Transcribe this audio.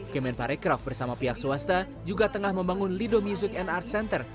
kemen parekraf bersama pihak swasta juga tengah membangun lido music and art center